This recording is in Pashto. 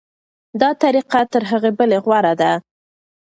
دا طریقه تر هغې بلې غوره ده.